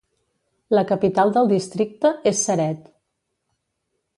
La capital del districte és Ceret.